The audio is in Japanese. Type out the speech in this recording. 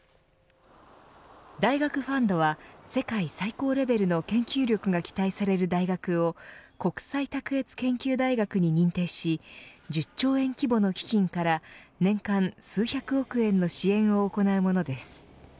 大学ファンドは世界最高レベルの研究力が期待される大学を国際卓越研究大学に認定し１０兆円規模の基金から年間数百億円の支援を行うものです。